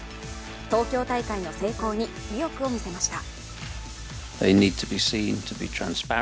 東京大会の成功に意欲を見せました。